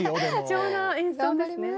貴重な演奏ですね。